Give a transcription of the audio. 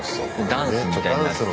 ダンスみたいになってたり。